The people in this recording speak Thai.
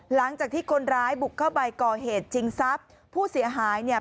หลังจากที่คนร้ายบุกเข้าไปก่อเหตุชิงทรัพย์ผู้เสียหายเนี่ย